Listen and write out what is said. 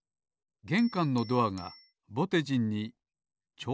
げんかんのドアがぼてじんにちょうどのサイズ。